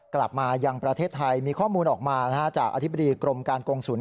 กลับมายังประเทศไทยมีข้อมูลออกมาจากอธิบดีกรมการกงศูนย